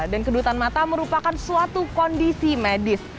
dan kedutan mata merupakan suatu kondisi medis